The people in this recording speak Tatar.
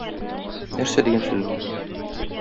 Нәрсә дигән сүз бу?